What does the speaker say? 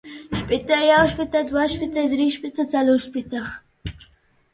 شپیته، یو شپیته، دوه شپیته، درې شپیته، څلور شپیته